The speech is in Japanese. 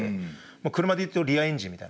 車で言うとリアエンジンみたいな。